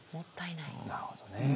なるほどね。